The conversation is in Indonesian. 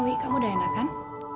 wi kamu udah enakan